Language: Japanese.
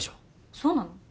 そうなの？